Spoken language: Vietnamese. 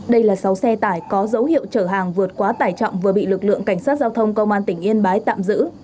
đây là sáu xe tải có dấu hiệu chở hàng vượt quá tải trọng vừa bị lực lượng cảnh sát giao thông công an tỉnh yên bái tạm giữ